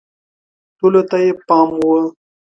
ټولو ته یې پام و